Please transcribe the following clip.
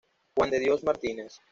Juan de Dios Martínez.